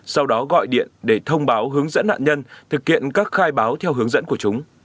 sau đó gọi điện để thông báo hướng dẫn nạn nhân thực hiện các khai báo theo hướng dẫn của chúng